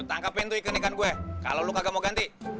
nah lu tangkapin tuh ikan ikan gue kalau lu kagak mau ganti